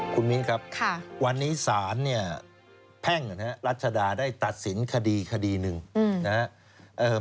คุณมิ้นครับวันนี้ศาลเนี่ยแพ่งรัชดาได้ตัดสินคดีคดีหนึ่งนะครับ